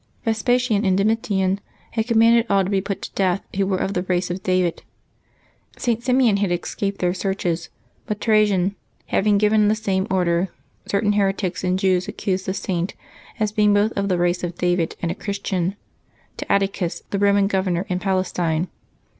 Vespasian and Domitian had commanded all to be put to death who were of the race of David. St. Simeon had escaped their searches; but, Trajan having given the same order, certain heretics and Jews accused the Saint, as being both of the race of David and a Christian, to Atticus, the Roman governor in Palestine.